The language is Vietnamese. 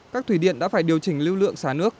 các thủy điện đã phải điều chỉnh lưu lượng xả nước